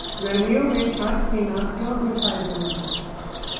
गर्मियों में छाछ पीना क्यों है फायदेमंद?